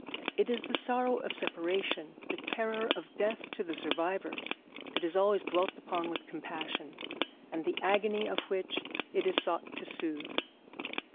It is the sorrow of separation, the terror of death to the survivors, that is always dwelt upon with compassion, and the agony of which it is sought to soothe.